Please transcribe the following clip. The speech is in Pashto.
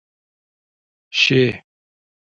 شې.